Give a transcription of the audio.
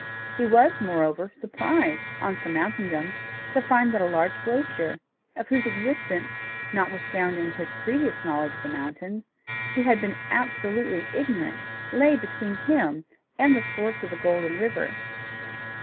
He was, moreover, surprised, on surmounting them, to find that a large glacier, of whose existence, notwithstanding his previous knowledge of the mountains, he had been absolutely ignorant, lay between him and the source of the Golden River.